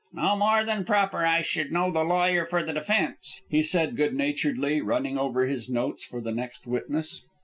"No more than proper I should know the lawyer for the defence," he said, good naturedly, running over his notes for the next witness.